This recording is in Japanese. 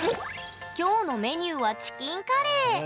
今日のメニューはチキンカレー。